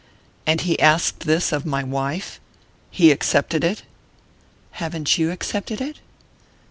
"And he asked this of my wife he accepted it?'" "Haven't you accepted it?"